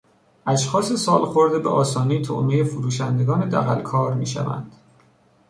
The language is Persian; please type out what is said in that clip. اشخاص سالخورده به آسانی طعمهی فروشندگان دغلکار میشوند.